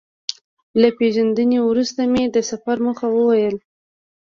له پېژندنې وروسته مې د سفر موخه وویل.